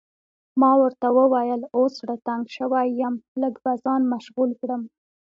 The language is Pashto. ما ورته وویل اوس زړه تنګ شوی یم، لږ به ځان مشغول کړم.